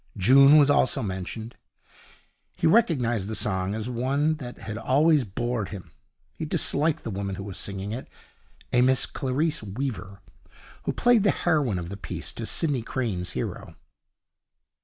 June was also mentioned. He recognized the song as one that had always bored him. He disliked the woman who was singing it a Miss Clarice Weaver, who played the heroine of the piece to Sidney Crane's hero.